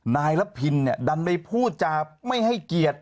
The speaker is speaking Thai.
นายละพินเนี่ยดันไปพูดจาไม่ให้เกียรติ